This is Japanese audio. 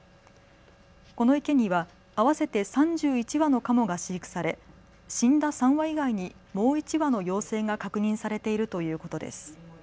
この池には合わせて３１羽のカモが飼育され死んだ３羽以外にもう１羽の陽性が確認されているということです。